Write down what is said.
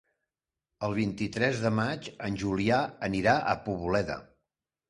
El vint-i-tres de maig en Julià anirà a Poboleda.